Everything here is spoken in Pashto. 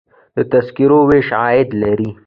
د تذکرو ویش عاید لري